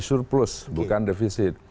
di surplus bukan defisit